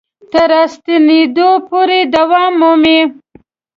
تر راستنېدو پورې دوام مومي.